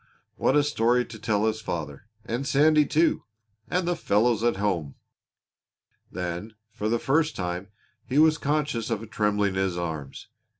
What a story to tell his father; and Sandy, too; and the fellows at home! Then, for the first time, he was conscious of a trembling in his arms.